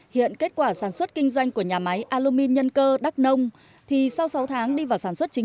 hiện kết quả sản xuất kinh doanh của nhà máy alumin nhân cơ đắk nông thì sau sáu tháng đi vào sản xuất chính